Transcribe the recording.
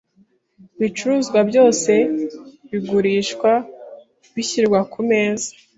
Ibicuruzwa byose bigurishwa bishyirwa kumeza.